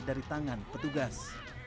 dari tangan petugas